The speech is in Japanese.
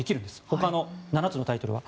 ほかの７つのタイトルは。